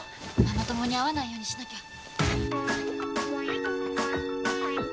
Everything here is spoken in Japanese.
ママ友に会わないようにしなきゃ。